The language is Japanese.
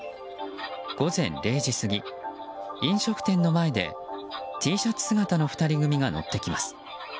午前０時過ぎ、飲食店の前でＴシャツ姿の２人組が乗ってきます。